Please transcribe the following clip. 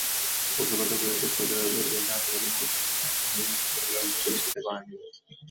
কৌশলগত ত্রুটিতে সৌদি আরবে তিনটি আত্মঘাতী বোমা হামলায় প্রাণহানির সংখ্যা বেশিতে গড়ায়নি।